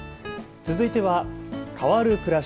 続いては変わるくらし